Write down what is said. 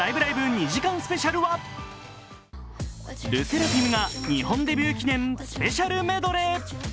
２時間スペシャルはＬＥＳＳＥＲＡＦＩＭが日本デビュー記念スペシャルメドレー。